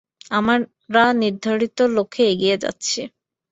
আমরা নির্ধারিত লক্ষ্যে এগিয়ে যাচ্ছি।